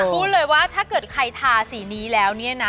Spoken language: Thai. พูดเลยว่าถ้าเกิดใครทาสีนี้แล้วเนี่ยนะ